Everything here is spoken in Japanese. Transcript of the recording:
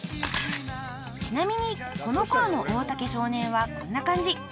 ［ちなみにこのころの大竹少年はこんな感じ］